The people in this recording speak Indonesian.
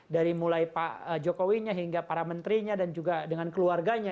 dari mulai pak jokowinya hingga para menterinya dan juga dengan keluarganya